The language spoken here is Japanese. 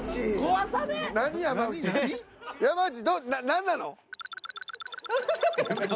何なの？